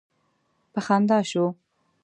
په خندا شو.